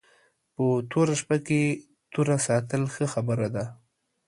په توره شپه کې توره ساتل ښه خبره ده